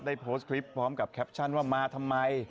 โพสต์คลิปพร้อมกับแคปชั่นว่ามาทำไม